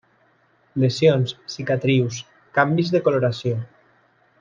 Lesions, cicatrius, canvis de coloració.